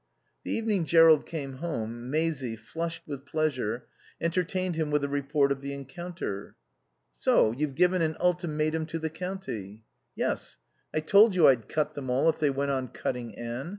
The evening Jerrold came home, Maisie, flushed with pleasure, entertained him with a report of the encounter. "So you've given an ultimatum to the county." "Yes. I told you I'd cut them all if they went on cutting Anne.